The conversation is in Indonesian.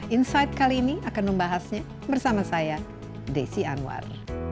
insight kali ini akan membahasnya bersama saya desi anwar